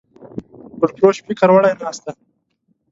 ګلفروش فکر وړی ناست دی